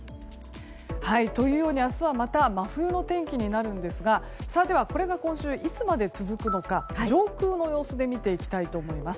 明日はまた真冬の天気になるんですがこれが今週、いつまで続くのか上空の様子で見ていきます。